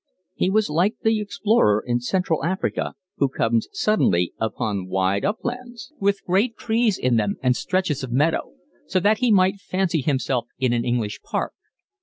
He was like the explorer in Central Africa who comes suddenly upon wide uplands, with great trees in them and stretches of meadow, so that he might fancy himself in an English park.